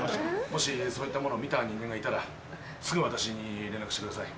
もしそういったものを見た人間がいたらすぐ私に連絡してください。